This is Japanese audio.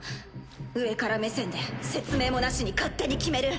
上から目線で説明もなしに勝手に決める。